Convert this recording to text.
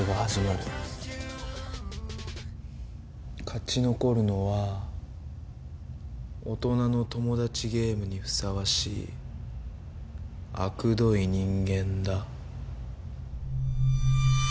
勝ち残るのは大人のトモダチゲームにふさわしいあくどい人間だ。